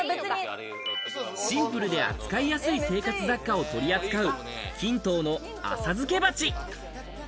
シンプルで扱いやすい生活雑貨を取り扱うキントーの浅漬鉢。